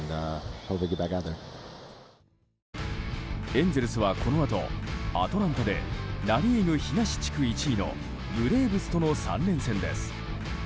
エンゼルスはこのあとアトランタでナ・リーグ東地区１位のブレーブスとの３連戦です。